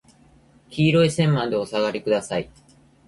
黄色い線までお下りください。